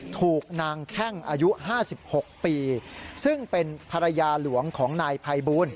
ถูกนางแข้งอายุ๕๖ปีซึ่งเป็นภรรยาหลวงของนายภัยบูล